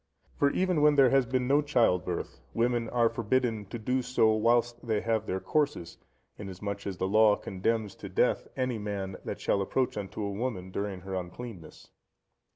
For even when there has been no child birth, women are forbidden to do so, whilst they have their courses, insomuch that the Law condemns to death any man that shall approach unto a woman during her uncleanness.